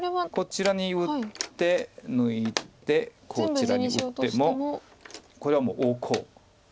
こちらに打って抜いてこちらに打ってもこれはもう大コウ。